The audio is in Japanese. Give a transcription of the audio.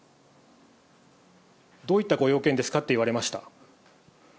どういったご用件ですかって言われました。